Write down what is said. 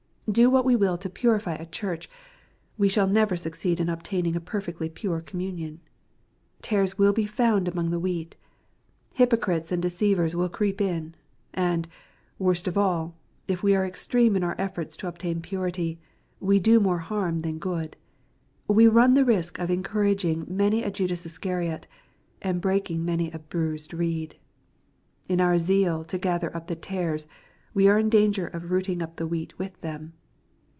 Do what we will to purify a church, we shall never succeed in obtaining a perfectly pure communion. Tares will be found among the wheat. Hypocrites and deceivers will creep in. And, worst of all, if we are extreme in our efforts to obtain purity, we do more harm than good. We run the risk of encourage ing many a Judas Iscariot, and breaking many a bruised reed. In our zeal to " gather up the tares," we are in danger of " rooting up the wheat with them."